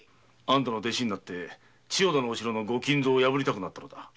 あんたの弟子になって千代田の城の御金蔵を破りたくなったのだ。